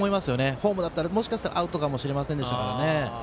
ホームだったら、もしかしたらアウトだったかもしれませんから。